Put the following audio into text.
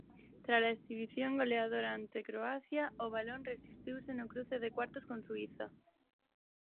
Trala exhibición goleadora ante Croacia, o balón resistiuse no cruce de cuartos con Suíza.